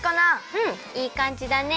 うんいいかんじだね。